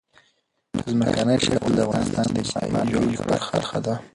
ځمکنی شکل د افغانستان د اجتماعي جوړښت برخه ده.